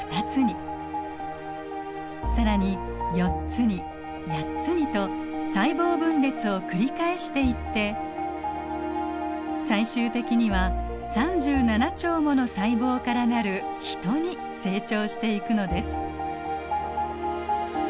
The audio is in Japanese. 更に４つに８つにと細胞分裂を繰り返していって最終的には３７兆もの細胞から成るヒトに成長していくのです。